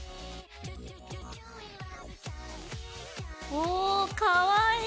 おかわいい！